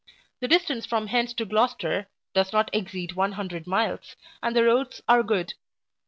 The distance from hence to Gloucester, does not exceed one hundred miles, and the roads are good.